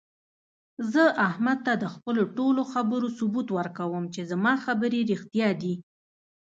زه احمد ته د خپلو ټولو خبرو ثبوت ورکوم، چې زما خبرې رښتیا دي.